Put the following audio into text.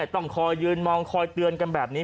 ต้องคอยยืนมองคอยเตือนกันแบบนี้